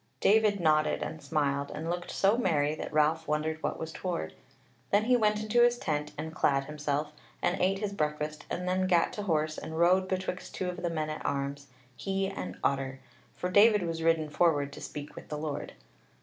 David nodded and smiled, and looked so merry that Ralph wondered what was toward. Then he went into his tent and clad himself, and ate his breakfast, and then gat to horse and rode betwixt two of the men at arms, he and Otter; for David was ridden forward to speak with the Lord.